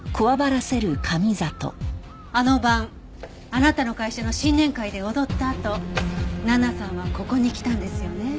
あの晩あなたの会社の新年会で踊ったあと奈々さんはここに来たんですよね？